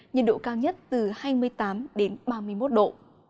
nhận độ cao nhất từ hai mươi tám đến ba mươi một độ